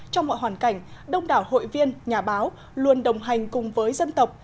trong mọi hoàn cảnh đông đảo hội viên nhà báo luôn đồng hành cùng với dân tộc